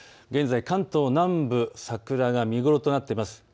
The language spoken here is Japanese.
現在、関東南部桜が見頃となっています。